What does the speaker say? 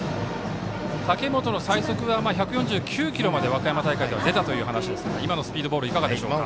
武元の最速が１４９キロまで和歌山大会では出たという話ですが今のスピードボールいかがですか。